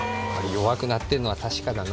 弱くなってるのは確かだな。